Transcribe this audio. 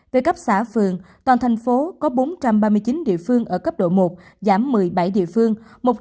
về cấp xã phường toàn thành phố có bốn trăm ba mươi chín địa phương ở cấp độ một giảm một mươi bảy địa phương